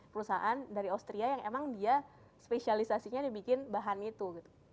perusahaan dari austria yang emang dia spesialisasinya dibikin bahan itu